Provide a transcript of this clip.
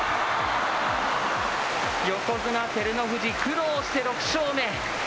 横綱・照ノ富士、苦労して６勝目。